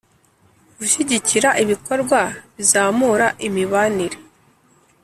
Gushyigikira ibikorwa bizamura imibanire.